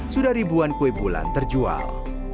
sudah ribuan kue bulan terjual